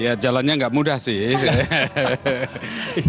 ya jalannya nggak mudah sih